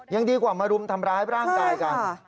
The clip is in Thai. ยังดีกว่ามารุมทำร้ายร่างกายกัน